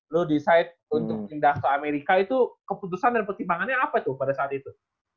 lo decide untuk indah ke amerika itu keputusan dan pertimbangannya apa itu pada saat itu